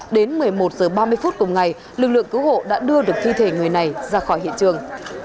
đến một mươi một h ba mươi phút cùng ngày lực lượng cứu hộ đã đưa được thi thể người này ra khỏi hiện trường